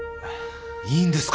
いいんですか？